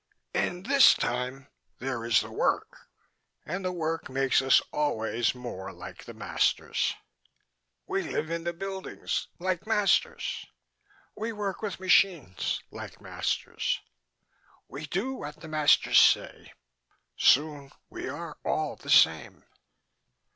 "In this time there is the work, and the work makes us always more like the masters. We live in the buildings like masters. We work with machines like masters. We do what the masters say. Soon we are all the same.